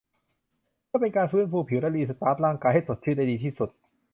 เพื่อเป็นการฟื้นฟูผิวและรีสตาร์ตร่างกายให้สดชื่นได้ดีที่สุด